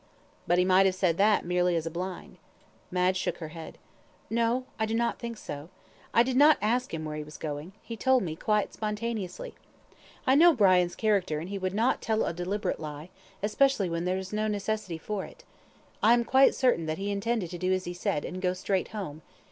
"But he might have said that merely as a blind." Madge shook her head. "No, I don't think so. I did not ask him where he was going. He told me quite spontaneously. I know Brian's character, and he would not tell a deliberate lie, especially when there was no necessity for it. I am quite certain that he intended to do as he said, and go straight home.